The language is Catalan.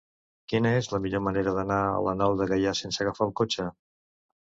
Quina és la millor manera d'anar a la Nou de Gaià sense agafar el cotxe?